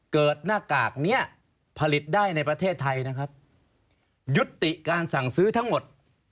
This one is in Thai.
เกิดหน้ากากนี้ผลิตได้ในประเทศไทยนะครับยุติการสั่งซื้อทั้งหมด